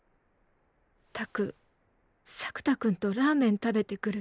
拓作田君とラーメン食べてくるって。